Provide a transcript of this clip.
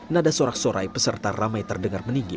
nada sorak sorai peserta ramai terdengar meninggi